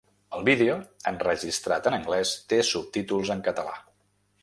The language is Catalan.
El vídeo, enregistrat en anglès, té subtítols en català.